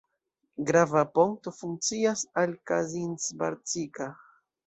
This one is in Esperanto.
Grava ponto funkcias al Kazincbarcika.